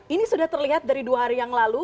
ini sudah terlihat dari dua hari yang lalu